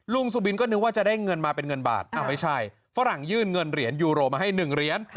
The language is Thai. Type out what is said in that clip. สุบินก็นึกว่าจะได้เงินมาเป็นเงินบาทไม่ใช่ฝรั่งยื่นเงินเหรียญยูโรมาให้๑เหรียญ